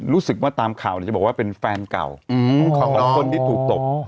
ตามข่าวจะบอกว่าเป็นแฟนเก่าของคนที่ถูกตบ